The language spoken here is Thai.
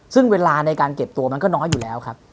ซึ่งเวลาในการเก็บตัวมันก็น้อยอยู่แล้วครับ